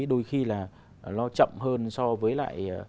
đôi khi là nó chậm hơn so với lại